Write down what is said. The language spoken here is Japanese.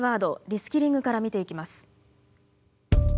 リスキリングから見ていきます。